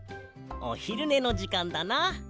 おひるねのじかんだな。